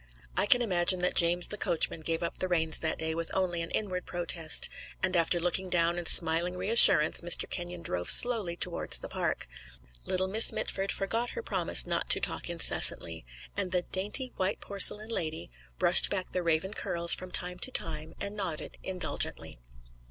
I can imagine that James the coachman gave up the reins that day with only an inward protest, and after looking down and smiling reassurance Mr. Kenyon drove slowly towards the Park; little Miss Mitford forgot her promise not to talk incessantly; and the "dainty, white porcelain lady" brushed back the raven curls from time to time and nodded indulgently.